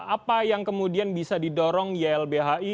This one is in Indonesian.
apa yang kemudian bisa didorong ylbhi